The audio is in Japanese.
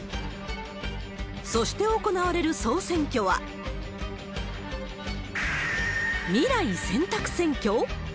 そして行われる総選挙は、未来選択選挙？